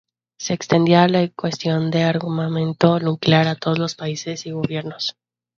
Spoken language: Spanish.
Se extendía la cuestión del armamento nuclear a todos los países y gobiernos.